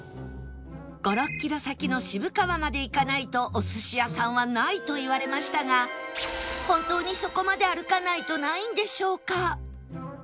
５６キロ先の渋川まで行かないとお寿司屋さんはないと言われましたが本当にそこまで歩かないとないんでしょうか？